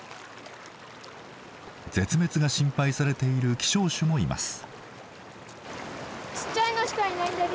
絶滅が心配されている希少種もいます。